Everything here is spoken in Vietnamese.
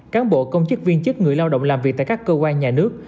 cán bộ công chức viên chức người lao động làm việc tại các cơ quan nhà nước